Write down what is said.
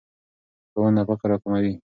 ښوونه فقر راکموي.